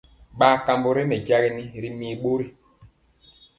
Bar kambɔ ré mɛjagini ri mir bori.